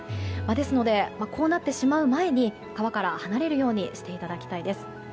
ですので、こうなってしまう前に川から離れるようにしていただきたいです。